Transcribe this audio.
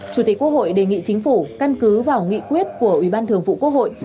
chủ tịch quốc hội đề nghị chính phủ căn cứ vào nghị quyết của ủy ban thường vụ quốc hội